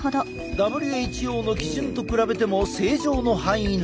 ＷＨＯの基準と比べても正常の範囲内。